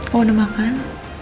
kamu sudah makan